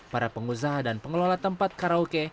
para pengusaha dan pengelola tempat karaoke